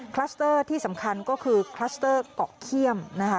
คลัสเตอร์ที่สำคัญก็คือคลัสเตอร์เกาะเขี้ยมนะคะ